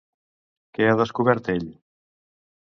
Què ha descobert ell?